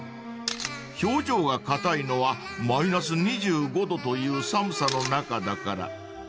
［表情が硬いのはマイナス２５℃という寒さの中だから］